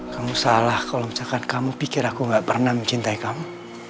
kamu salah kalau misalkan kamu pikir aku gak pernah mencintai kamu